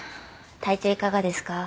体調いかがですか？